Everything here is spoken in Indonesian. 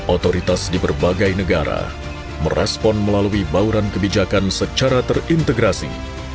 otoritas di berbagai negara merespon melalui bauran kebijakan secara terintegrasi